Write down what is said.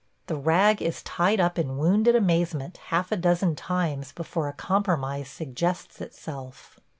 The rag is tied up in wounded amazement half a dozen times before a compromise suggests itself.